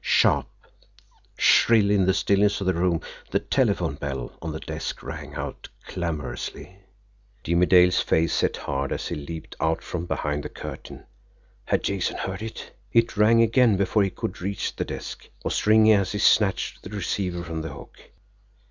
Sharp, shrill in the stillness of the room, the telephone bell on the desk rang out clamourously. Jimmie Dale's face set hard, as he leaped out from behind the curtain had Jason heard it! It rang again before he could reach the desk was ringing as he snatched the receiver from the hook.